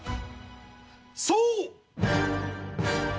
そう。